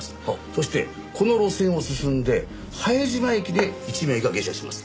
そしてこの路線を進んで拝島駅で１名が下車します。